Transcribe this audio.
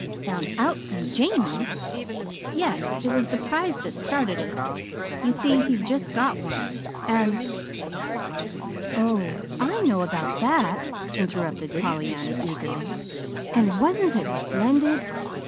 "Found out from Jamie!" "Yes. It was the prize that started it. You see, he'd just got one, and " "Oh, I know about that," interrupted Pollyanna, eagerly. "And wasn't it splendid?